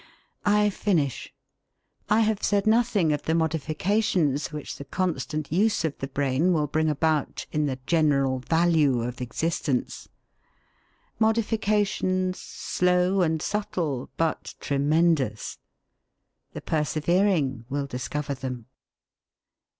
I finish. I have said nothing of the modifications which the constant use of the brain will bring about in the general value of existence. Modifications slow and subtle, but tremendous! The persevering will discover them.